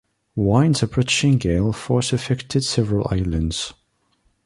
Winds approaching gale force affected several islands.